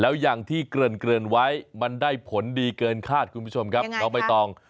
แล้วอย่างที่เกริ่นไว้มันได้ผลดีเกินคาดคุณผู้ชมครับน้องใบตอง